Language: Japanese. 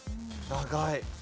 長い。